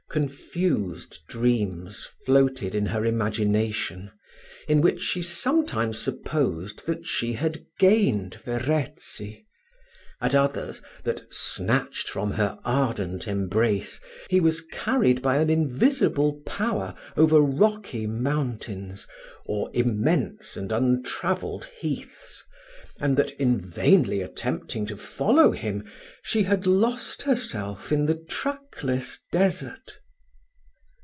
Confused dreams floated in her imagination, in which she sometimes supposed that she had gained Verezzi; at others, that, snatched from her ardent embrace, he was carried by an invisible power over rocky mountains, or immense and untravelled heaths, and that, in vainly attempting to follow him, she had lost herself in the trackless desert.